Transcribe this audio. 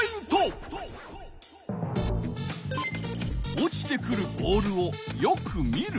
落ちてくるボールをよく見る。